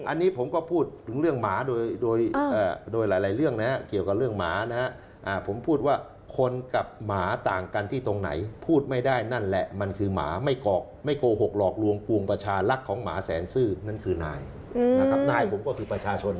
อันนี้ผมก็พูดถึงเรื่องหมาโดยโดยหลายเรื่องนะฮะเกี่ยวกับเรื่องหมานะฮะผมพูดว่าคนกับหมาต่างกันที่ตรงไหนพูดไม่ได้นั่นแหละมันคือหมาไม่กรอกไม่โกหกหลอกลวงปวงประชาลักษณ์ของหมาแสนซื่อนั่นคือนายนะครับนายผมก็คือประชาชน